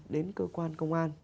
đến cơ quan công an